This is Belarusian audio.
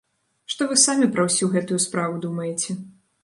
Што вы самі пра ўсю гэтую справу думаеце?